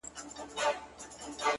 دي مــــړ ســي،